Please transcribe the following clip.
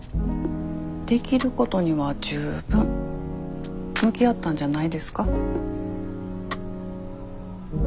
できることには十分向き合ったんじゃないですか？